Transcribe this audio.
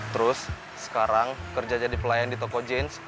terus sekarang kerja jadi pelayan di toko james